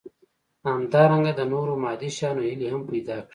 همدارنګه د نورو مادي شيانو هيلې هم پيدا کړي.